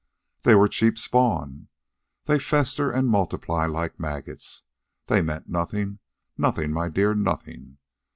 "They were cheap spawn. They fester and multiply like maggots. They meant nothing nothing, my dear, nothing.